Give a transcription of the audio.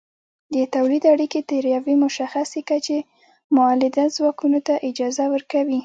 د تولید اړیکې تر یوې مشخصې کچې مؤلده ځواکونو ته اجازه ورکوي.